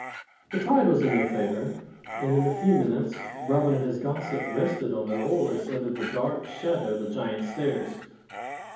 The tide was in their favour, and in a few minutes Robin and his gossip rested on their oars under the dark shadow of the Giant's Stairs.